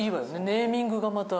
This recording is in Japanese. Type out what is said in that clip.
ネーミングがまた。